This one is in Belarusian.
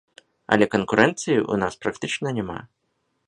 Але канкурэнцыі ў нас практычна няма.